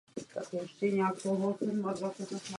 Při něm byla také zřízena farnost.